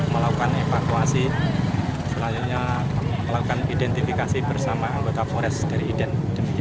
melakukan evakuasi selanjutnya melakukan identifikasi bersama anggota forest dari ident